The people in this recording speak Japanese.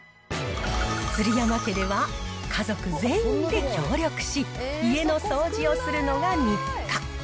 鶴山家では、家族全員で協力し、家の掃除をするのが日課。